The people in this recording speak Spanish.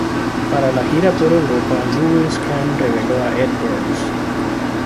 Para la gira por Europa, Lewis Kahn relevó a Ed Burns.